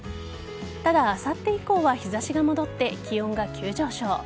ただ、あさって以降は日差しが戻って気温が急上昇。